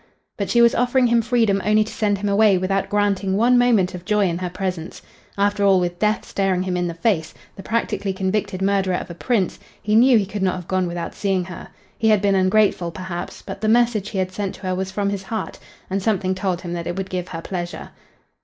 But she was offering him freedom only to send him away without granting one moment of joy in her presence. After all, with death staring him in the face, the practically convicted murderer of a prince, he knew he could not have gone without seeing her. He had been ungrateful, perhaps, but the message he had sent to her was from his heart, and something told him that it would give her pleasure.